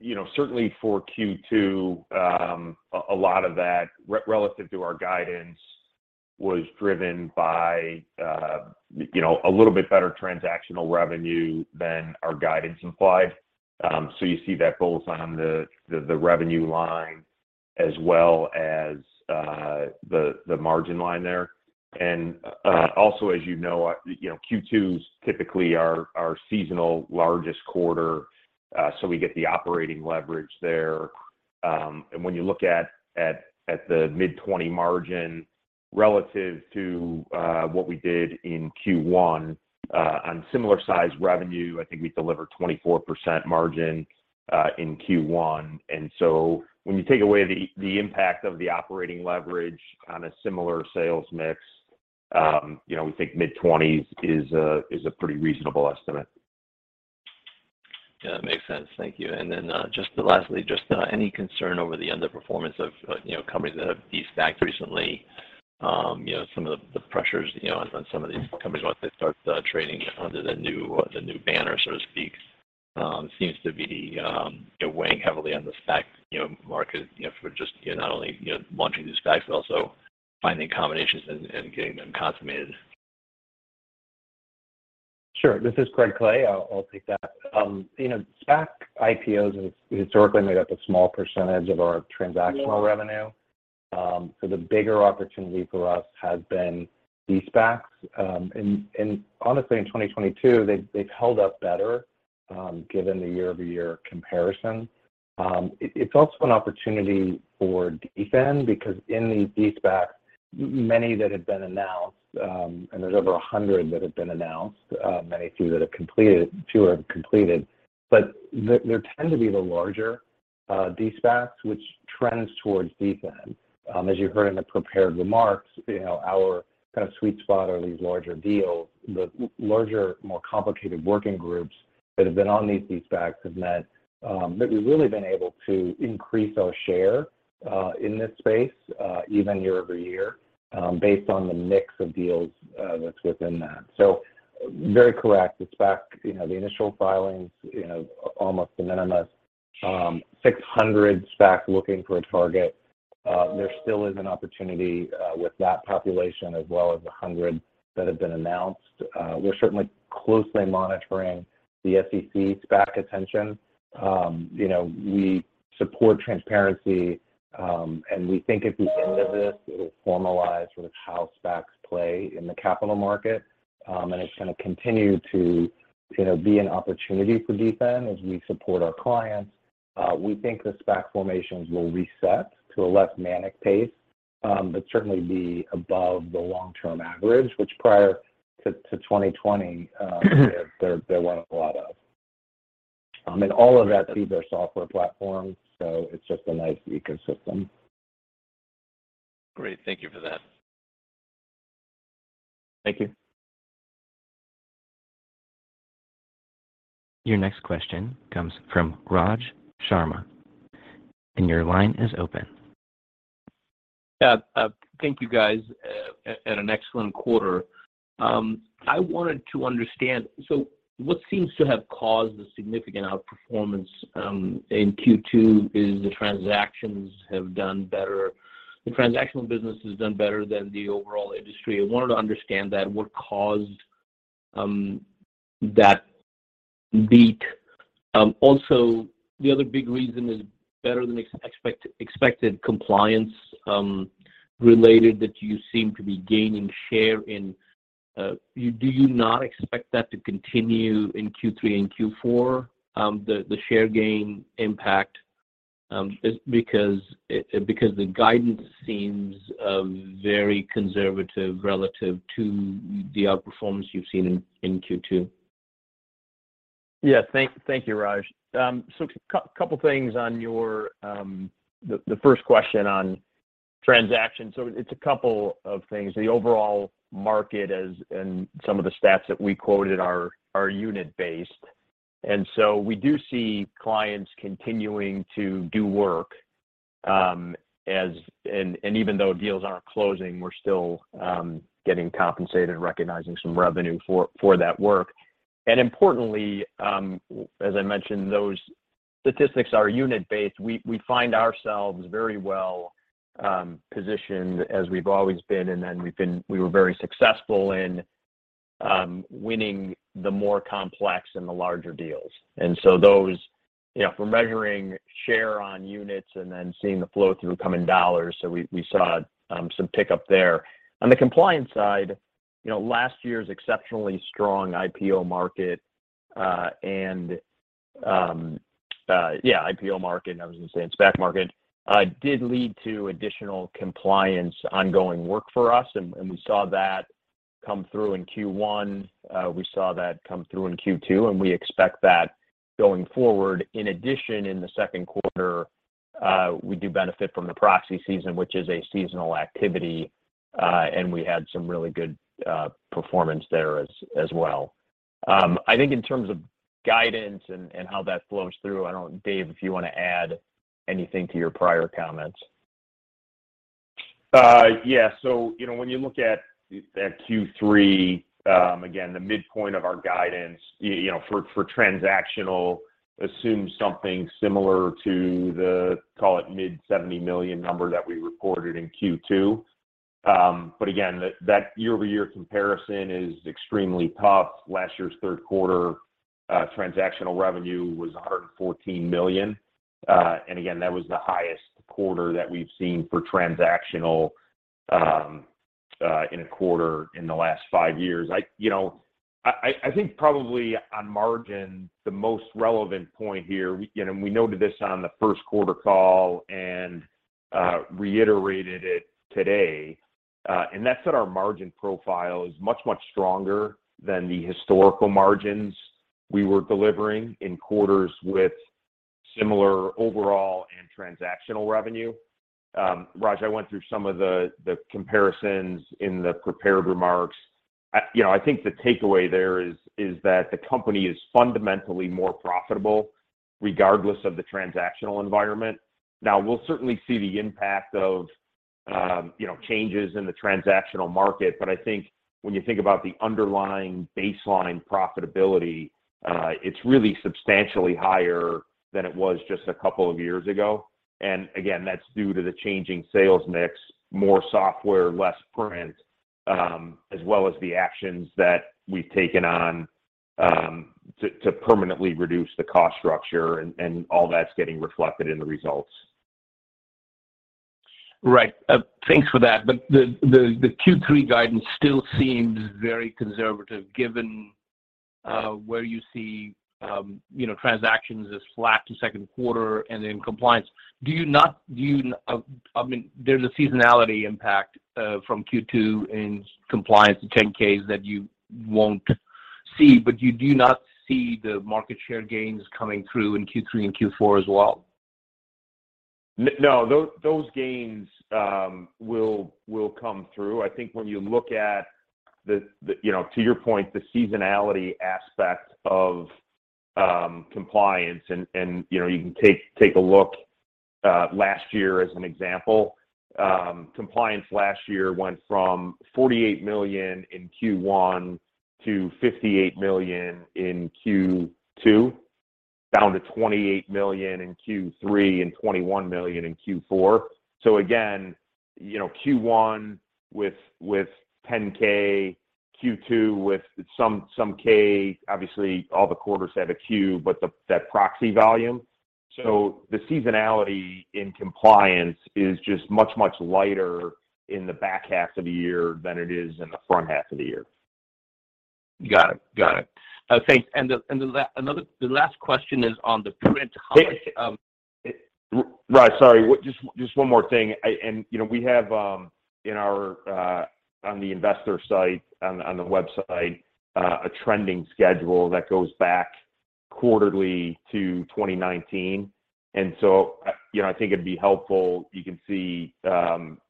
you know, certainly for Q2, a lot of that relative to our guidance was driven by, you know, a little bit better transactional revenue than our guidance implied. So you see that both on the revenue line as well as the margin line there. Also as you know, you know, Q2 is typically our seasonal largest quarter, so we get the operating leverage there. When you look at the mid-20% margin relative to what we did in Q1, on similar size revenue, I think we delivered 24% margin in Q1. When you take away the impact of the operating leverage on a similar sales mix, you know, we think mid-20s% is a pretty reasonable estimate. Yeah, makes sense. Thank you. Just lastly, any concern over the underperformance of, you know, companies that have de-SPACed recently. You know, some of the pressures, you know, on some of these companies once they start trading under the new banner, so to speak, seems to be, you know, weighing heavily on the SPAC market, you know, for just, you know, not only launching these SPACs, but also finding combinations and getting them consummated. Sure. This is Craig Clay. I'll take that. You know, SPAC IPOs have historically made up a small percentage of our transactional revenue. So the bigger opportunity for us has been de-SPACs. And honestly, in 2022, they've held up better, given the year-over-year comparison. It's also an opportunity for DFIN because in these de-SPACs, many that have been announced, and there's over 100 that have been announced. Few have completed. There tend to be the larger de-SPACs which trends towards DFIN. As you heard in the prepared remarks, you know, our kind of sweet spot are these larger deals. The larger, more complicated working groups that have been on these de-SPACs have meant that we've really been able to increase our share in this space even year-over-year based on the mix of deals that's within that. Very correct. The SPAC, you know, the initial filings, you know, almost an NMS, 600 SPACs looking for a target. There still is an opportunity with that population as well as the 100 that have been announced. We're certainly closely monitoring the SEC SPAC attention. You know, we support transparency, and we think at the end of this it'll formalize sort of how SPACs play in the capital market. It's gonna continue to, you know, be an opportunity for DFIN as we support our clients. We think the SPAC formations will reset to a less manic pace, but certainly be above the long-term average, which prior to 2020, there weren't a lot of. All of that feeds our software platform, so it's just a nice ecosystem. Great. Thank you for that. Thank you. Your next question comes from Raj Sharma, and your line is open. Yeah. Thank you guys, and an excellent quarter. I wanted to understand what seems to have caused the significant outperformance in Q2 is the transactions have done better. The transactional business has done better than the overall industry. I wanted to understand that. What caused that beat? Also the other big reason is better than expected compliance related that you seem to be gaining share in. Do you not expect that to continue in Q3 and Q4, the share gain impact, because the guidance seems very conservative relative to the outperformance you've seen in Q2? Yeah. Thank you, Raj. Couple things on your first question on transactions. It's a couple of things. The overall market and some of the stats that we quoted are unit-based. We do see clients continuing to do work. Even though deals aren't closing, we're still getting compensated, recognizing some revenue for that work. Importantly, as I mentioned, those statistics are unit-based. We find ourselves very well positioned as we've always been, and then we were very successful in winning the more complex and the larger deals. Those, you know, if we're measuring share on units and then seeing the flow-through come in dollars, so we saw some pickup there. On the compliance side, you know, last year's exceptionally strong IPO market, and I was gonna say it's SPAC market, did lead to additional compliance ongoing work for us. We saw that come through in Q1. We saw that come through in Q2, and we expect that going forward. In addition, in the second quarter, we do benefit from the proxy season, which is a seasonal activity, and we had some really good performance there as well. I think in terms of guidance and how that flows through. Dave, if you wanna add anything to your prior comments. Yeah. You know, when you look at Q3, again, the midpoint of our guidance, you know, for transactional assumes something similar to the, call it, mid $70 million number that we reported in Q2. Again, that year-over-year comparison is extremely tough. Last year's third quarter, transactional revenue was $114 million. That was the highest quarter that we've seen for transactional, in a quarter in the last five years. I think probably on margin, the most relevant point here, you know, we noted this on the first quarter call and reiterated it today. That's why our margin profile is much, much stronger than the historical margins we were delivering in quarters with similar overall and transactional revenue. Raj, I went through some of the comparisons in the prepared remarks. You know, I think the takeaway there is that the company is fundamentally more profitable regardless of the transactional environment. Now we'll certainly see the impact of you know, changes in the transactional market. I think when you think about the underlying baseline profitability, it's really substantially higher than it was just a couple of years ago. Again, that's due to the changing sales mix, more software, less print, as well as the actions that we've taken to permanently reduce the cost structure and all that's getting reflected in the results. Right. Thanks for that. The Q3 guidance still seems very conservative given where you see you know transactions as flat to second quarter and in compliance. Do you, I mean, there's a seasonality impact from Q2 in compliance to 10-Ks that you won't see, but do you not see the market share gains coming through in Q3 and Q4 as well? No. Those gains will come through. I think when you look at the you know, to your point, the seasonality aspect of compliance and you know, you can take a look last year as an example. Compliance last year went from $48 million in Q1 to $58 million in Q2, down to $28 million in Q3, and $21 million in Q4. Again, you know, Q1 with Form 10-K, Q2 with some K, obviously all the quarters have a Q, but that proxy volume. The seasonality in compliance is just much lighter in the back half of the year than it is in the front half of the year. Got it. Thanks. The last question is on the print. How much? Hey, Raj, sorry. Just one more thing. You know, we have on our investor site on the website a trending schedule that goes back quarterly to 2019. You know, I think it'd be helpful. You can see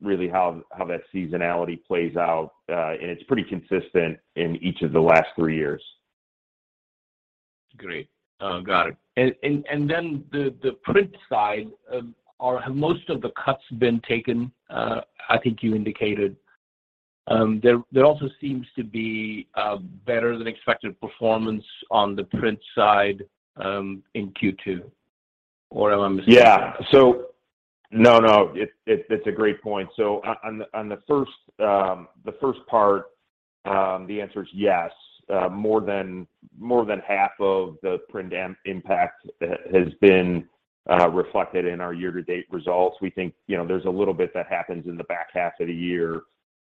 really how that seasonality plays out. It's pretty consistent in each of the last three years. Great. Got it. The print side, have most of the cuts been taken? I think you indicated, there also seems to be better than expected performance on the print side in Q2, or am I missing something? Yeah. No, it's a great point. On the first part, the answer is yes. More than half of the print impact has been reflected in our year-to-date results. We think, you know, there's a little bit that happens in the back half of the year,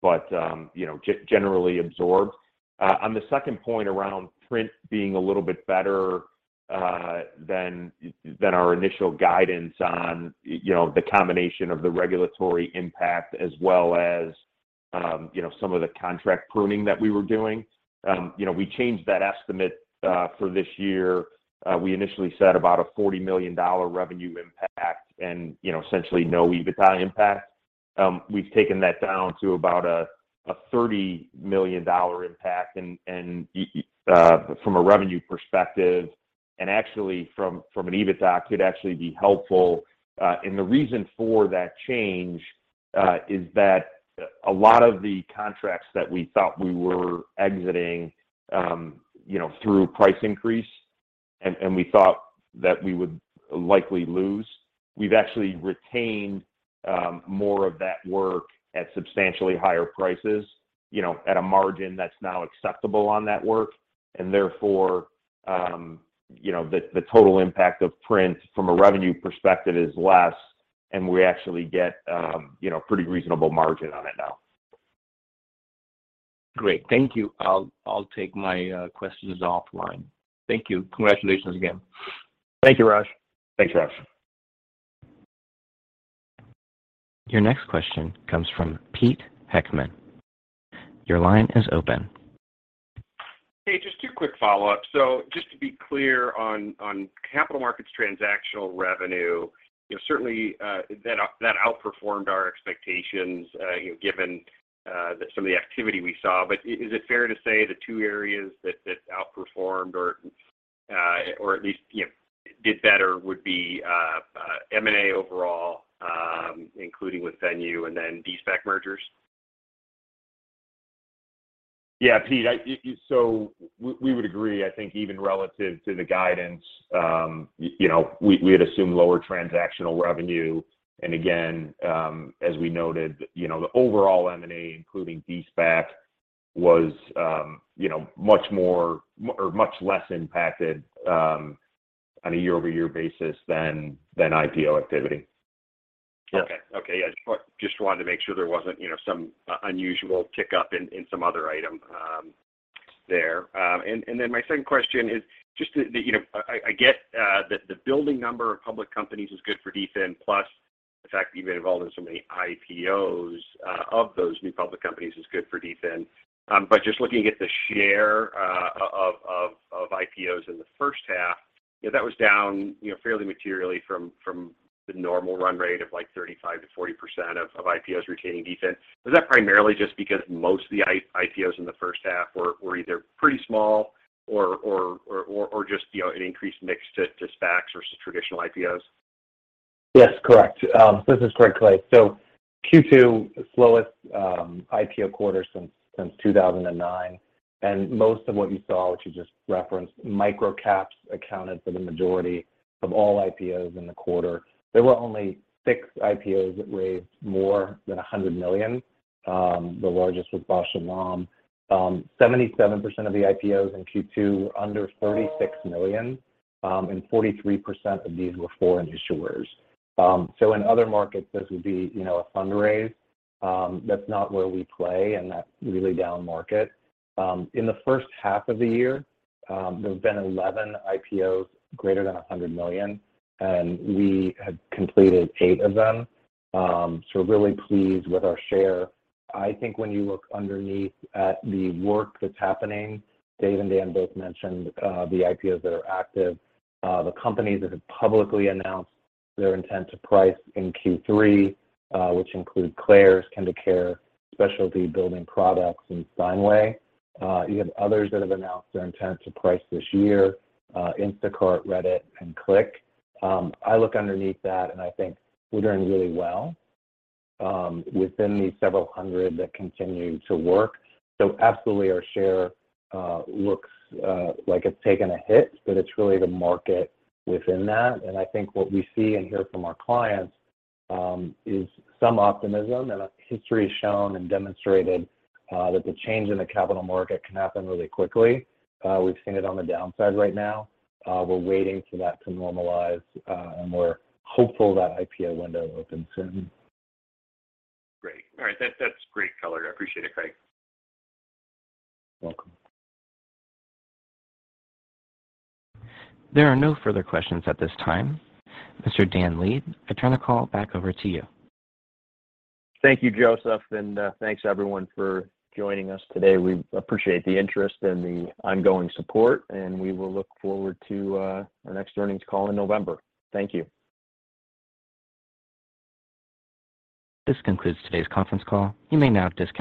but, you know, generally absorbed. On the second point around print being a little bit better than our initial guidance on, you know, the combination of the regulatory impact as well as, you know, some of the contract pruning that we were doing. You know, we changed that estimate for this year. We initially said about a $40 million revenue impact and, you know, essentially no EBITDA impact. We've taken that down to about a $30 million impact and from a revenue perspective, and actually from an EBITDA could actually be helpful. The reason for that change is that a lot of the contracts that we thought we were exiting, you know, through price increase and we thought that we would likely lose, we've actually retained more of that work at substantially higher prices, you know, at a margin that's now acceptable on that work. Therefore, you know, the total impact of print from a revenue perspective is less, and we actually get, you know, pretty reasonable margin on it now. Great. Thank you. I'll take my questions offline. Thank you. Congratulations again. Thank you, Raj. Thanks, guys. Your next question comes from Pete Heckmann. Your line is open. Hey, just two quick follow-ups. Just to be clear on capital markets transactional revenue, you know, certainly, that outperformed our expectations, you know, given some of the activity we saw. Is it fair to say the two areas that outperformed or at least, you know, did better would be M&A overall, including with Venue and then de-SPAC mergers? Yeah, Pete. So we would agree. I think even relative to the guidance, you know, we had assumed lower transactional revenue. Again, as we noted, you know, the overall M&A including de-SPAC was, you know, much less impacted on a year-over-year basis than IPO activity. Yeah. Okay, yeah. Just wanted to make sure there wasn't, you know, some unusual tick up in some other item. My second question is just that, you know, I get that the burgeoning number of public companies is good for DFIN, plus the fact that you've been involved in so many IPOs of those new public companies is good for DFIN. Just looking at the share of IPOs in the first half, you know, that was down, you know, fairly materially from the normal run rate of, like, 35%-40% of IPOs retaining DFIN. Is that primarily just because most of the IPOs in the first half were either pretty small or just, you know, an increased mix to SPACs versus traditional IPOs? Yes. Correct. This is Craig Clay. Q2, slowest IPO quarter since 2009. Most of what you saw, which you just referenced, micro caps accounted for the majority of all IPOs in the quarter. There were only six IPOs that raised more than $100 million. The largest was Bausch + Lomb. 77% of the IPOs in Q2 were under $36 million, and 43% of these were foreign issuers. In other markets, this would be, you know, a fundraise. That's not where we play, and that's really down market. In the first half of the year, there have been 11 IPOs greater than $100 million, and we have completed eight of them. We're really pleased with our share. I think when you look underneath at the work that's happening, Dave and Dan both mentioned the IPOs that are active. The companies that have publicly announced their intent to price in Q3, which include Claire's, KinderCare, Specialty Building Products, and Steinway. You have others that have announced their intent to price this year, Instacart, Reddit, and Klick. I look underneath that, and I think we're doing really well within the several hundred that continue to work. Absolutely our share looks like it's taken a hit, but it's really the market within that. I think what we see and hear from our clients is some optimism. History has shown and demonstrated that the change in the capital market can happen really quickly. We've seen it on the downside right now. We're waiting for that to normalize, and we're hopeful that IPO window opens soon. Great. All right. That's great color. I appreciate it, Craig. Welcome. There are no further questions at this time. Mr. Dan Leib, I turn the call back over to you. Thank you, Joseph. Thanks everyone for joining us today. We appreciate the interest and the ongoing support, and we will look forward to our next earnings call in November. Thank you. This concludes today's conference call. You may now disconnect.